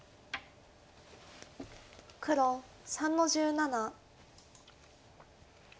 黒３の十七。